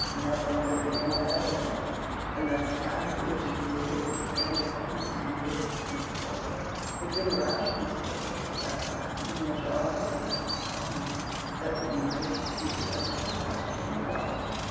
Nothing could be more evident than that the plan of Regency could be defended only on Whig principles. Between the rational supporters of that plan and the majority of the House of Commons there could be no dispute as to the question of right.